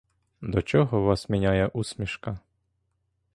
До чого вас міняє усмішка!